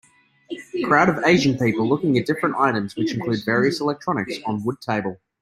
Crowd of asian people looking at different items which include various electronics on wood table.